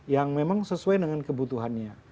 yang memang sesuai dengan kebutuhannya